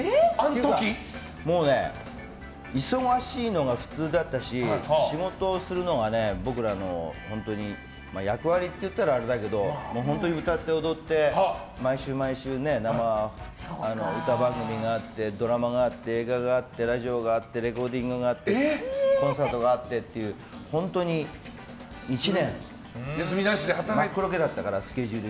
もうね、忙しいのが普通だったし仕事をするのが僕らの役割と言ったらあれだけど本当に歌って踊って毎週毎週生の歌番組があってドラマがあって映画があってラジオがあってレコーディングがあってコンサートがあってっていう本当に１年、真っ黒けだったから。